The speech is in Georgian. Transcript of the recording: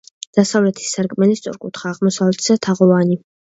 დასავლეთის სარკმელი სწორკუთხაა, აღმოსავლეთისა თაღოვანი.